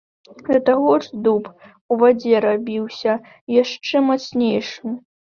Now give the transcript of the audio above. Да таго ж дуб у вадзе рабіўся яшчэ мацнейшым.